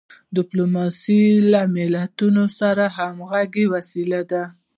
ډیپلوماسي له ملتونو سره د همږغی وسیله ده.